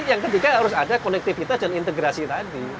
yang ketiga harus ada konektivitas dan integrasi tadi